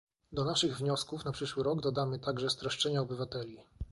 Do naszych wniosków na przyszły rok dodamy także streszczenia obywateli